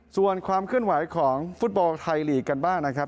ส่วนความเคลื่อนไหวของฟุตบอลไทยลีกกันบ้างนะครับ